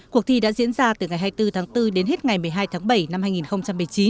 cuộc thi đã diễn ra từ ngày hai mươi bốn tháng bốn đến hết ngày một mươi hai tháng bảy năm hai nghìn một mươi chín